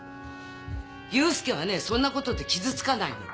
佑介はねそんなことで傷つかないの！